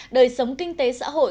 đời sống kinh tế xã hội